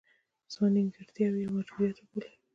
زما نیمګړتیاوې یو مجبوریت وبولي.